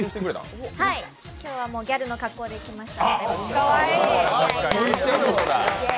今日はギャルの格好で来ました。